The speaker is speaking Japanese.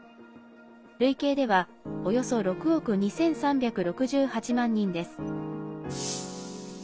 累計ではおよそ６億２３６８万人です。